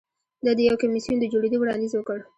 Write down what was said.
ده د یو کمېسیون د جوړېدو وړاندیز وکړ.